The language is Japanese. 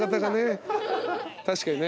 確かにね。